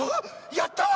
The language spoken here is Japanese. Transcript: やったわ！